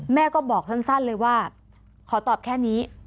แม่ก็บอกสั้นเลยว่าขอตอบแค่นี้